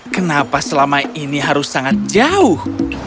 kenapa selama ini harus sangat jauh